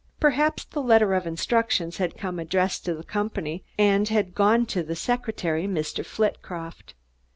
Perhaps the letter of instructions had come addressed to the company, and had gone to the secretary, Mr. Flitcroft.